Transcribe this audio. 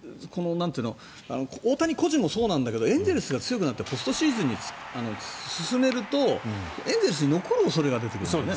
大谷個人もそうなんだけどエンゼルスが強くなってポストシーズンに進めるとエンゼルスに残る恐れが出てくるんだよね。